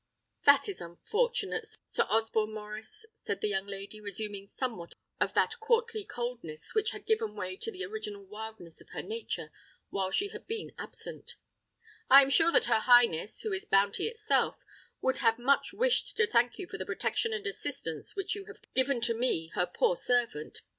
"That is unfortunate, Sir Osborne Maurice," said the young lady, resuming somewhat of that courtly coldness which had given way to the original wildness of her nature while she had been absent: "I am sure that her highness, who is bounty itself, would have much wished to thank you for the protection and assistance which you have given to me her poor servant.